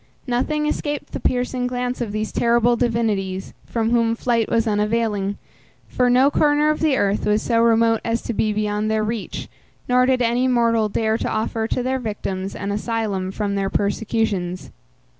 Nothing escaped the piercing glance of these terrible divinities, from whom flight was unavailing, for no corner of the earth was so remote as to be beyond their reach, nor did any mortal dare to offer to their victims an asylum from their persecutions.